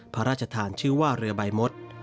พระราชทานชื่อว่าเรือใบมด